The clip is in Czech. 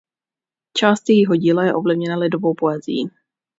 Část jejího díla je ovlivněna lidovou poezií.